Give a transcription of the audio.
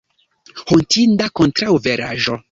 Hontinda kontraŭveraĵo!